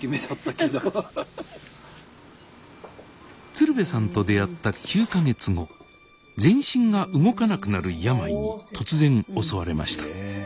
鶴瓶さんと出会った９か月後全身が動かなくなる病に突然襲われました。